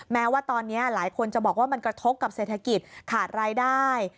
แม้ว่าตอนนี้หลายคนจะบอกว่ามันกระทบกับเศรษฐกิจขาดรายได้